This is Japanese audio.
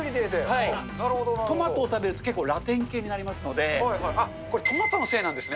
トマトを食べると結構ラテンこれ、トマトのせいなんですね。